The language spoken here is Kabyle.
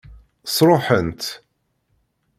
Sṛuḥen-tt.